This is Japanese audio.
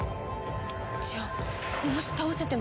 じゃあもし倒せても。